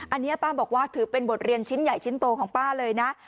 อันนี้ป้าบอกว่าถือเป็นบทเรียนชิ้นใหญ่ชิ้นโตของป้าเลยนะ